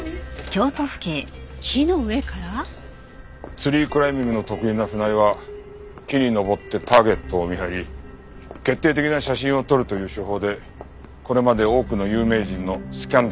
ツリークライミングの得意な船井は木に登ってターゲットを見張り決定的な写真を撮るという手法でこれまで多くの有名人のスキャンダルを暴いてきたそうだ。